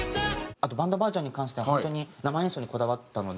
あとバンドバージョンに関しては本当に生演奏にこだわったので。